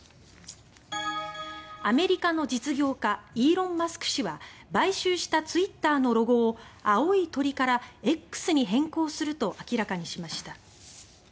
アメリカの実業家イーロン・マスク氏は買収したツイッターのロゴを青い鳥から「Ｘ」に変更すると明らかにしました。